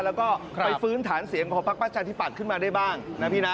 แล้วก็ไปฟื้นฐานเสียงของพักประชาธิปัตย์ขึ้นมาได้บ้างนะพี่นะ